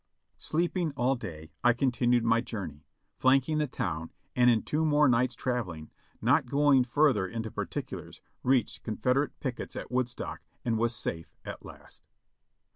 Sleeping all day, I continued my journey, flanking the town, and in two more nights' traveling, not going further into particulars, reached Confederate pickets at Woodstock and was safe at last.